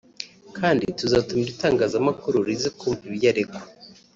kandi tuzatumira itangazamakuru rize kumva ibyo aregwa